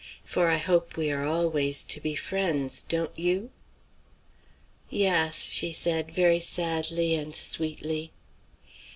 For I hope we are always to be friends; don't you?" "Yass," she said, very sadly and sweetly.